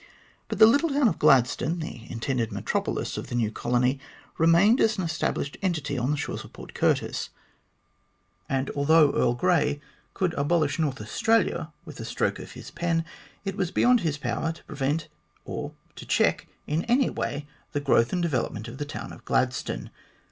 But the little town of Gladstone, the intended metropolis of the new colony, remained as an established entity on the shores of Port Curtis, and although Earl Grey could abolish North Australia with a stroke of his pen, it was beyond his power to prevent or to check in any way the growth and development of the town of Gladstone.